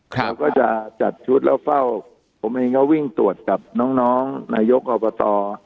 เราก็จะจัดชุดแล้วเฝ้าผมเองก็วิ่งตรวจกับน้องนายกอบต